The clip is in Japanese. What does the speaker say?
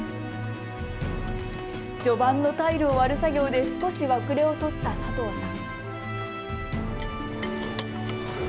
序盤のタイルを割る作業で少し後れを取った佐藤さん。